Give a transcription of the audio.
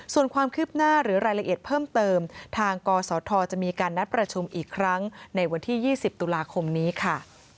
ส่วนความคืบหน้าหรือรายละเอียดเพิ่มเติมทางกศธจะมีการนัดประชุมอีกครั้งในวันที่๒๐ตุลาคมนี้ค่ะ